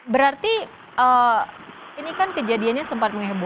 berarti ini kan kejadiannya sempat mengeboh